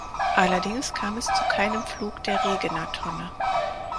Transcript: Allerdings kam es zu keinem Flug der Regener-Tonne.